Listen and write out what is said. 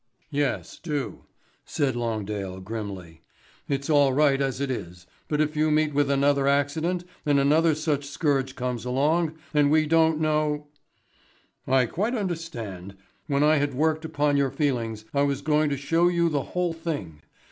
"Yes, do," said Longdale grimly. "It's all right as it is, but if you meet with another accident and another such scourge comes along and we don't know " "I quite understand. When I had worked upon your feelings, I was going to show you the whole thing.